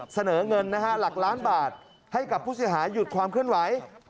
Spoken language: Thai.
เสนอเงินหลักล้านบาทให้กับผู้เสือขาวหยุดความเข้นไหว